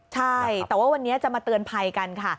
ใช่แต่ว่าวันนี้จะมาเตือนภัยกันค่ะ